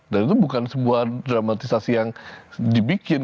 dan itu bukan sebuah dramatisasi yang dibikin